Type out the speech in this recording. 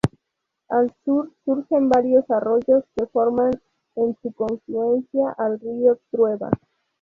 Al sur surgen varios arroyos que forman en su confluencia al río Trueba.